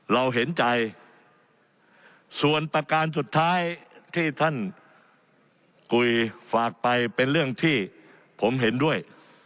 เราเห็นใจส่วนประการสุดท้ายที่ท่านกุยฝากไปเป็นเรื่องที่ผมเห็นด้วย